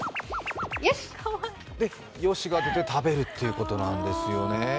「よし！」が出て食べるということなんですよね。